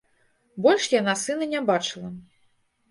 Больш яна сына не бачыла.